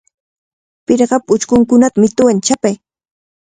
Pirqapa uchkunkunata mituwan chapay.